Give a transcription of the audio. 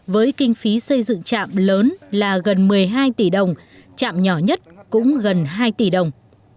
với kinh phí xây dựng trạm lớn là gần một mươi hai tỷ đồng trạm nhỏ nhất cũng gần hai tỷ đồng